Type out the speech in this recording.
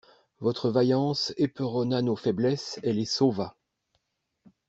Votre vaillance éperonna nos faiblesses et les sauva!